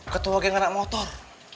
ketua geng anak motor